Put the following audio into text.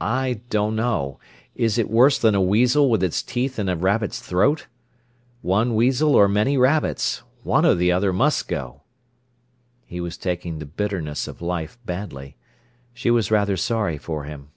"I don't know! Is it worse than a weasel with its teeth in a rabbit's throat? One weasel or many rabbits? One or the other must go!" He was taking the bitterness of life badly. She was rather sorry for him.